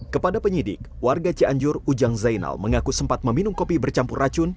kepada penyidik warga cianjur ujang zainal mengaku sempat meminum kopi bercampur racun